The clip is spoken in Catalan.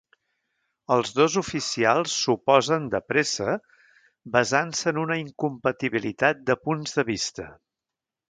Els dos oficials s'oposen de pressa basant-se en una incompatibilitat de punts de vista.